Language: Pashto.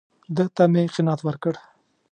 ده ته مې قناعت ورکړ.